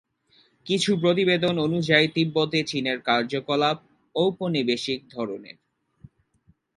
কিছু প্রতিবেদন অনুযায়ী তিব্বতে চীনের কার্যকলাপ ঔপনিবেশিক ধরণের।